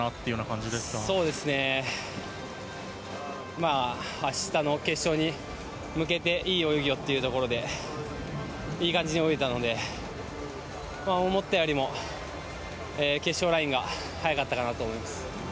まあ、明日の決勝に向けていい泳ぎをっていうところでいい感じに泳いでいたので思ったよりも決勝ラインが速かったかなと思います。